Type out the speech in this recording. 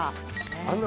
ああんな